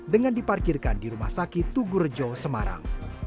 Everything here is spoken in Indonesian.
dengan diparkirkan di rumah sakit tugurejo semarang